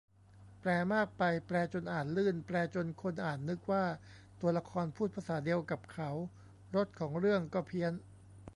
แปลมากไป แปลจนอ่านลื่น แปลจนคนอ่านนึกว่าตัวละครพูดภาษาเดียวกับเขา รสของเรื่องก็เพี้ยน